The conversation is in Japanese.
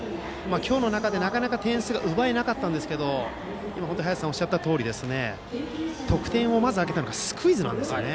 今日の中で、なかなか点数が奪えなかったんですけれど今、おっしゃられたとおりまず得点を挙げたのがスクイズなんですね。